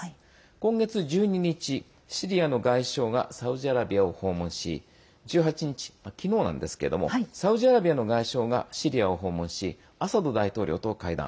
今月１２日、シリアの外相がサウジアラビアを訪問し１８日、サウジアラビアの外相が訪問しアサド大統領と会談。